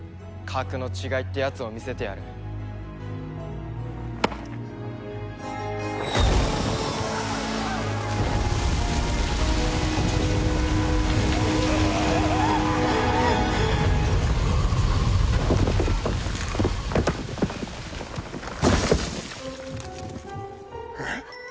格の違いってやつを見せてやるえっ？